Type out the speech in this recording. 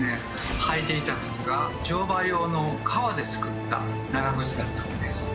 履いていた靴が乗馬用の革で作った長ぐつだったのです。